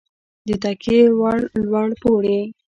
د تکیې وړ لوړ پوړی